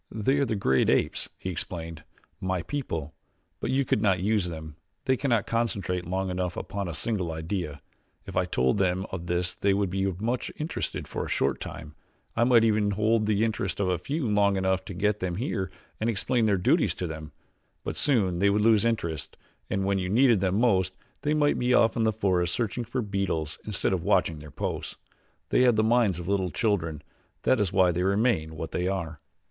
"They are the great apes," he explained; "my people; but you could not use them. They cannot concentrate long enough upon a single idea. If I told them of this they would be much interested for a short time I might even hold the interest of a few long enough to get them here and explain their duties to them; but soon they would lose interest and when you needed them most they might be off in the forest searching for beetles instead of watching their posts. They have the minds of little children that is why they remain what they are."